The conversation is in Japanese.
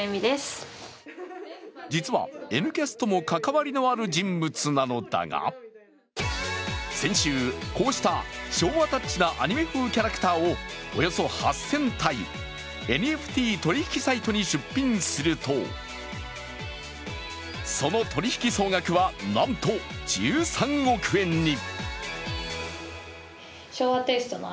実は「Ｎキャス」とも関わりのある人物なのだが先週、こうした昭和タッチなアニメ風キャラクターをおよそ８０００体、ＮＦＴ取引サイトに出品するとその取り引き総額は、なんと１３億円に！